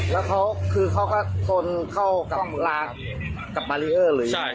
และเค้าขึ้นเข้ากับราคกับบารีเอิร์หรืออย่างนี้